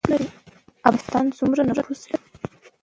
افغانستان سومره نفوس لري